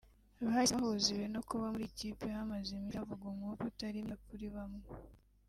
bahise bahuza ibi no kuba muri iyi kipe hamaze iminsi havugwa umwuka utari mwiza kuri bamwe